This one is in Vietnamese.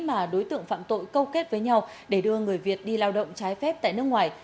mà đối tượng phạm tội câu kết với nhau để đưa người việt đi lao động trái phép tại nước ngoài